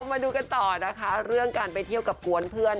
เรามาดูกันต่อเรื่องการไปเที่ยวกับกวนเครื่อน